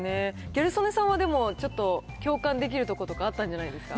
ギャル曽根さんはでも、ちょっと共感できるところとかあったんじゃないですか。